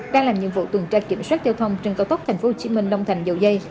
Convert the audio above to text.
đang làm nhiệm vụ tuần tra kiểm soát giao thông trên cao tốc tp hcm long thành dầu dây